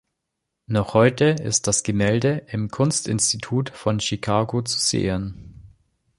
Noch heute ist das Gemälde im Kunstinstitut von Chicago zu sehen.